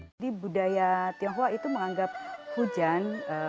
jadi budaya tionghoa itu menganggap hujan